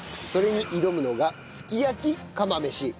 それに挑むのがすき焼き釜飯。